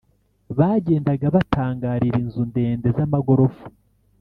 bagendaga batangarira inzu ndende z’amagorofa,